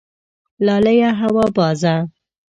لالیه هوا بازه